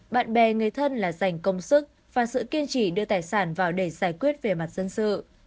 bạn bè người thân là dành công sức và sự kiên trì đưa tài sản vào để giải quyết về mặt dân sự